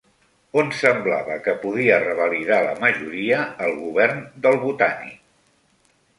On semblava que podia revalidar la majoria el govern del Botànic?